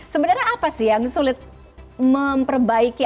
sebenarnya apa sih yang sulit memperbaiki